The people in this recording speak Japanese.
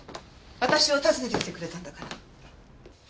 私を訪ねてきてくれたんだから。